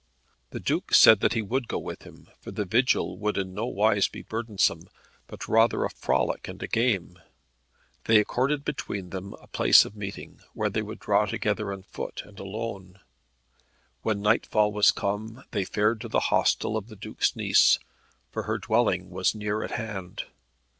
The Duke said that he would go with him, for the vigil would in no wise be burdensome, but rather a frolic and a game. They accorded between them a place of meeting, where they would draw together on foot, and alone. When nightfall was come they fared to the hostel of the Duke's niece, for her dwelling was near at hand.